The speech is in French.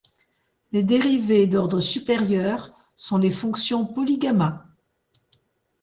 Les dérivées d'ordre supérieur sont les fonctions polygamma.